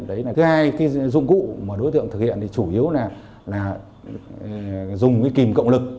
thứ hai dụng cụ mà đối tượng thực hiện chủ yếu là dùng kìm cộng lực